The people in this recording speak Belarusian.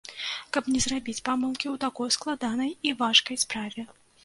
Каб не зрабіць памылкі ў такой складанай і важкай справе.